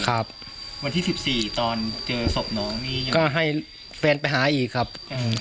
วันที่สิบสี่ตอนเจอศพน้องนี่ยังไงก็ให้แฟนไปหาอีกครับอืม